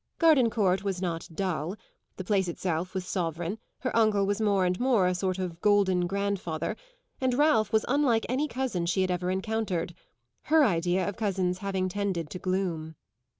Gardencourt was not dull; the place itself was sovereign, her uncle was more and more a sort of golden grandfather, and Ralph was unlike any cousin she had ever encountered her idea of cousins having tended to gloom.